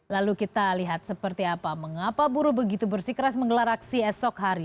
lalu kita lihat seperti apa mengapa buruh begitu bersikeras menggelar aksi esok hari